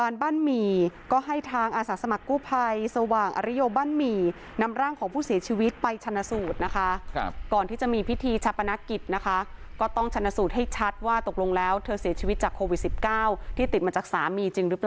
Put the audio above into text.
แล้วเราก็เลยโทรแจ้งหมอ